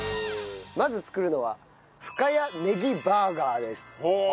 まず作るのは深谷ねぎバーガーです。はあ！